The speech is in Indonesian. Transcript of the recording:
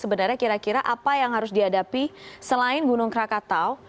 sebenarnya kira kira apa yang harus dihadapi selain gunung krakatau